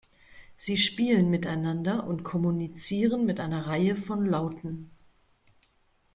Sie spielen miteinander und kommunizieren mit einer Reihe von Lauten.